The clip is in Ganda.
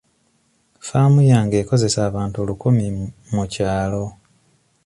Ffaamu yange ekozesa abantu lukumi mu kyalo.